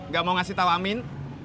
gak mau ngasih tau amin